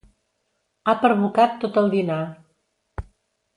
Ha perbocat tot el dinar.